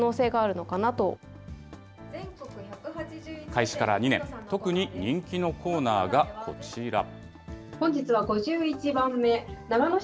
開始から２年、特に人気のコーナーがこちら。